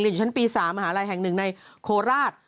เรียนอยู่ชั้นปี๓มหาลัยแห่ง๑ในโคราช